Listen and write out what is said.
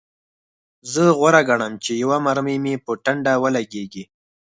زه غوره ګڼم چې یوه مرمۍ مې په ټنډه ولګیږي